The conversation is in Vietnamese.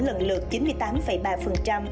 lần lượt chín mươi tám ba